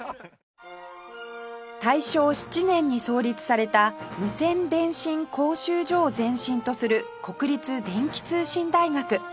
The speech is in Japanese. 大正７年に創立された無線電信講習所を前身とする国立電気通信大学